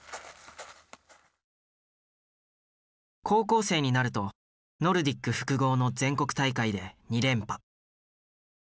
高校生になるとノルディック複合の全国大会で２連覇。